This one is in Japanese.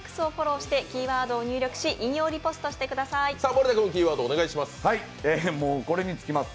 森田君、キーワードお願いします。